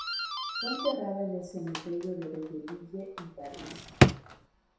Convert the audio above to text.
Fue enterrada en el Cementerio de Belleville, en París.